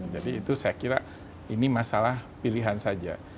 jadi itu saya kira ini masalah pilihan saja